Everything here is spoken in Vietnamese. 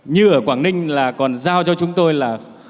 như ở quảng ninh là còn giao cho chúng tôi là